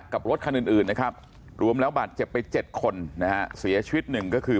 รถคันอื่นนะครับรวมแล้วบาดเจ็บไปเจ็ดคนนะฮะเสียชีวิตหนึ่งก็คือ